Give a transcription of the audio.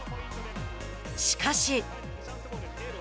しかし。